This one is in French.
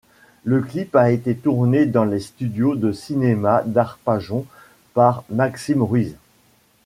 Le clip a été tourné dans les studios de cinéma d'Arpajon par Maxime Ruiz.